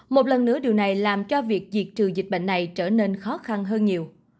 một lần nữa điều này làm cho việc diệt trừ dịch bệnh này trở nên khó khăn hơn nhiều